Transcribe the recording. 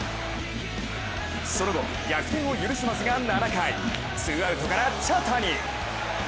その後、逆転を許しますが７回、ツーアウトから茶谷。